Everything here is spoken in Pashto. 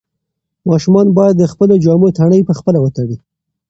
ماشومان باید د خپلو جامو تڼۍ پخپله وتړي.